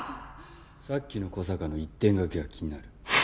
さっきの小坂の１点賭けが気になる。